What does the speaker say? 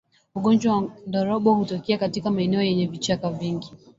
Ugonjwa wa ndorobo hutokea katika maeneo yenye vichaka vingi